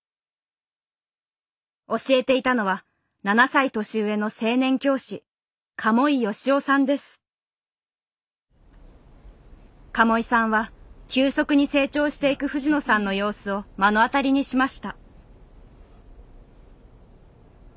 教えていたのは７歳年上の青年教師鴨井さんは急速に成長していく藤野さんの様子を目の当たりにしました。